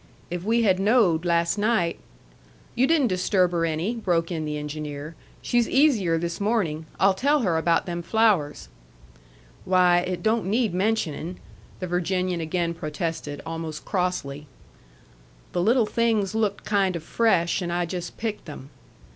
"If we had knowed last night " "You didn't disturb her any," broke in the engineer. "She's easier this morning. I'll tell her about them flowers." "Why, it don't need mentioning," the Virginian again protested, almost crossly. "The little things looked kind o' fresh, and I just picked them."